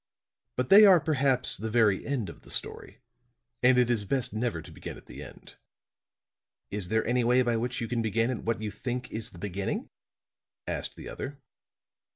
But they are perhaps the very end of the story; and it is best never to begin at the end." "Is there any way by which you can begin at what you think is the beginning?" asked the other.